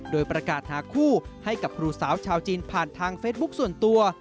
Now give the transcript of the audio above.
โดยประกาศหาคู่ให้กับครูสาวชาวจีนผ่านทางเฟซบุ๊คส่วนตัว